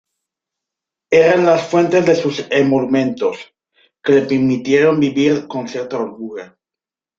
Eran las fuentes de sus emolumentos, que le permitieron vivir con cierta holgura.